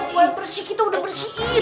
buah yang bersih kita udah bersihin